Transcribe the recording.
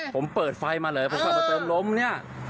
ผมเปิดไฟมาเลยเพราะว่าจะเติมลมเนี่ย